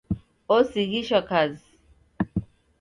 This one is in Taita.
Osighishwa kazi.